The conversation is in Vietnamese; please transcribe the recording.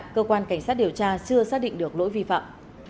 chưa xác định được lỗi vi phạm